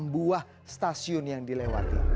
enam buah stasiun yang dilewati